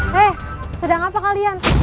hei sedang apa kalian